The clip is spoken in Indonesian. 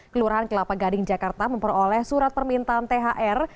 kelurahan kelapa gading jakarta memperoleh surat permintaan thr